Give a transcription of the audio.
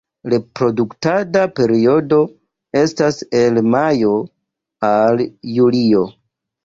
Reprodukta periodo estas el majo al julio.